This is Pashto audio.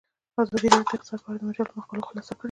ازادي راډیو د اقتصاد په اړه د مجلو مقالو خلاصه کړې.